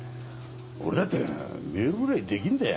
俺だってメールぐらいできんだよ。